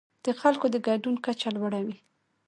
د خلکو د ګډون کچه لوړه وي.